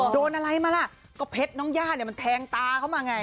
โดนอะไรมาล่ะก็เพชรน้องย่าเนี่ยมันแทงตาเขามาไง